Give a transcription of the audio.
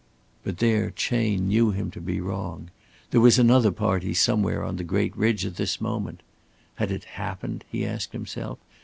But there Chayne knew him to be wrong. There was another party somewhere on the great ridge at this moment. "Had it happened?" he asked himself.